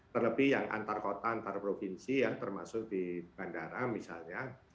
terlebih yang antar kota antar provinsi ya termasuk di bandara misalnya